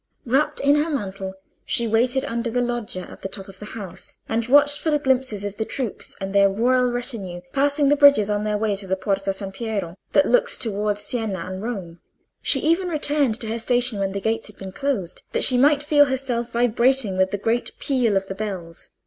Wrapped in her mantle she waited under the loggia at the top of the house, and watched for the glimpses of the troops and the royal retinue passing the bridges on their way to the Porta San Piero, that looks towards Siena and Rome. She even returned to her station when the gates had been closed, that she might feel herself vibrating with the great peal of the bells.